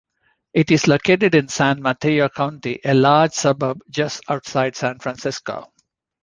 It is located in San Mateo County, a large suburb just outside San Francisco.